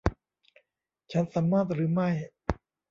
ฉันสามารถหรือไม่ ?